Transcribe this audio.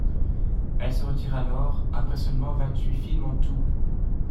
Elle se retire alors, après seulement vingt-six films en tout.